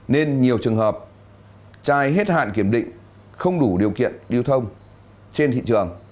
nên nhiều trường hợp chai hết hạn kiểm định không đủ điều kiện liêu thông trên thị trường